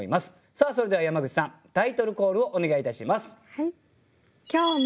さあそれでは山口さんタイトルコールをお願いいたします。